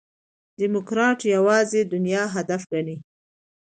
ډيموکراټ یوازي دنیا هدف ګڼي.